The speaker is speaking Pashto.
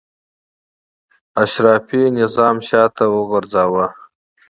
اشرافي نظام شاته وغورځاوه.